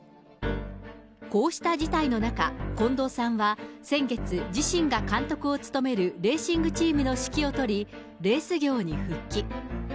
こうした事態の中、近藤さんは、先月、自身が監督を務めるレーシングチームの指揮を執り、レース業に復帰。